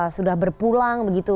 sudah berpulang begitu